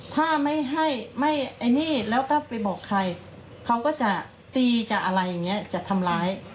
ถ้าไม่ให้ไม่ไอ้นี่แล้วก็ไปบอกใครเขาก็จะตีจะอะไรอย่างนี้จะทำร้าย